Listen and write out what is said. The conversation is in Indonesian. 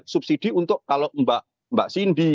subsidi untuk kalau mbak cindy